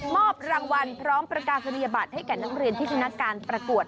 มอบรางวัลพร้อมประกาศธรรยาบาทให้แก่น้องเรียนที่ที่นัดการประกวด